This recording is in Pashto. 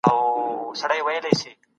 قرعه کشي د لومړيتوب د تعين لپاره ده.